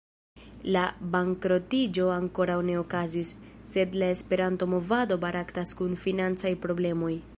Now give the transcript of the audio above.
La bankrotiĝo ankoraŭ ne okazis, sed la Esperanto-movado baraktas kun financaj problemoj.